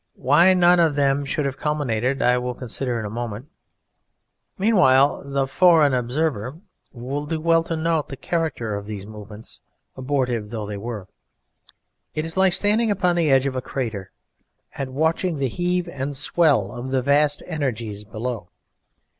Why none of them should have culminated I will consider in a moment. Meanwhile, the foreign observer will do well to note the character of these movements, abortive though they were. It is like standing upon the edge of a crater and watching the heave and swell of the vast energies below.